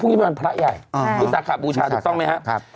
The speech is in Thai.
วันนี้เป็นวันพระใหญ่วิสาขบูชาถูกต้องไหมครับ